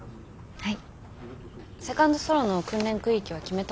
はい。